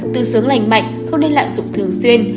tự sướng lành mạnh không nên lạm dụng thường xuyên